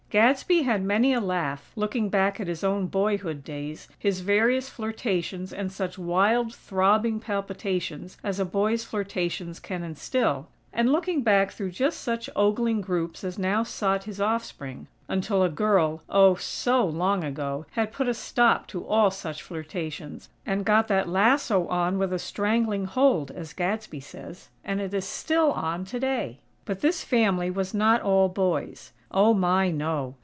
Gadsby had many a laugh, looking back at his own boyhood days, his various flirtations and such wild, throbbing palpitations as a boy's flirtations can instill; and looking back through just such ogling groups as now sought his offspring; until a girl, oh, so long ago, had put a stop to all such flirtations, and got that lasso on "with a strangling hold," as Gadsby says; and it is still on, today! But this family was not all boys. Oh, my, no!